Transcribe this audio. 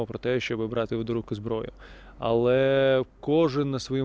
mereka tidak berpikir untuk mengambil senjata